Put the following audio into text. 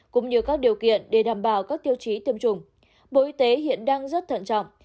cũng như các điều kiện để đảm bảo các tiêu chí tiêm chủng bộ y tế hiện đang rất thận trọng